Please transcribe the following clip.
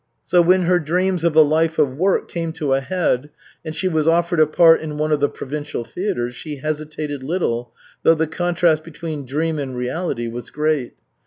So, when her dreams of a life of work came to a head and she was offered a part in one of the provincial theatres, she hesitated little, though the contrast between dream and reality was great.